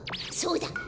そうだ！